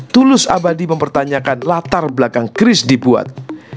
tulus abadi mempertanyakan latar belakang chris dibuat